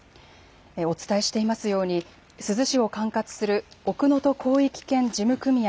お伝えしていますように珠洲市を管轄する奥能登広域圏事務組合